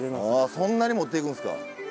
そんなに持っていくんすか。